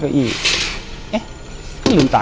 อยู่ที่แม่ศรีวิรัยิลครับ